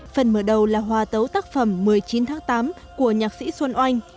phần mở đầu là hòa tấu tác phẩm một mươi chín tháng tám của nhạc sĩ xuân oanh